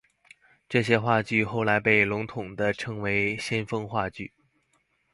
这些话剧后来被笼统地称为先锋话剧。